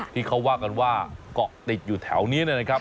ที่เขาว่ากันว่าเกาะติดอยู่แถวนี้นะครับ